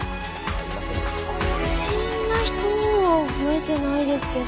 不審な人は覚えてないですけど。